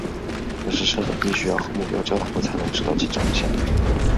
但是杀手必须要和目标交谈过才能知道其长相。